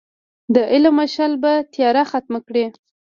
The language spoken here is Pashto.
د علم مشعل به تیاره ختمه کړي.